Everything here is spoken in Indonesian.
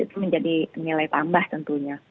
itu menjadi nilai tambah tentunya